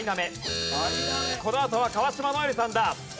このあとは川島如恵留さんだ。